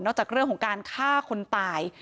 จากเรื่องของการฆ่าคนตาย